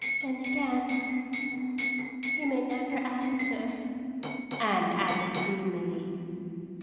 "And again, he may never answer," Anne added gloomily.